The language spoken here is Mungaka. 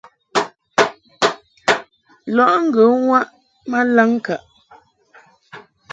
Lɔʼ ŋgə waʼ ma laŋŋkaʼ.